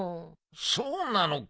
そうなのか。